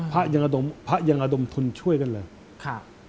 พระยังอะดมทุนช่วยกันเลย